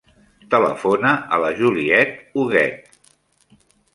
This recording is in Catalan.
Telefona a la Juliette Huguet.